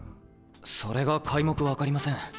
それが皆目分かりません。